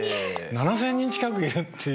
７，０００人近くいるって。